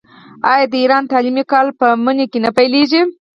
آیا د ایران تعلیمي کال په مني کې نه پیلیږي؟